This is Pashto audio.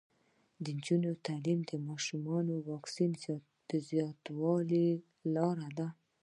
د نجونو تعلیم د ماشومانو واکسین زیاتولو لاره ده.